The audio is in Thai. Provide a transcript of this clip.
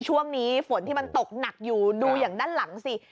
ช่วงนี้ฝนที่มันตกหนักอยู่ดูอย่างด้านหลังสิ